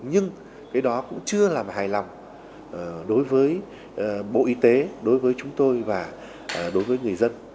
nhưng cái đó cũng chưa là hài lòng đối với bộ y tế đối với chúng tôi và đối với người dân